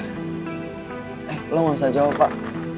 eh lo gak usah jawab pak